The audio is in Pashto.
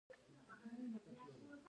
په اروپا او اسیا کې.